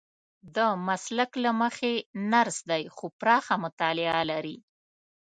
د مسلک له مخې نرس دی خو پراخه مطالعه لري.